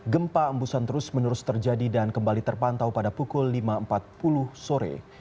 gempa embusan terus menerus terjadi dan kembali terpantau pada pukul lima empat puluh sore